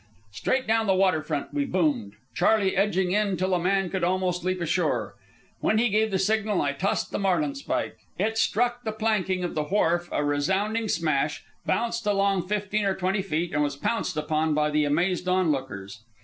Straight down the water front we boomed, Charley edging in till a man could almost leap ashore. When he gave the signal I tossed the marlinspike. It struck the planking of the wharf a resounding smash, bounced along fifteen or twenty feet, and was pounced upon by the amazed onlookers.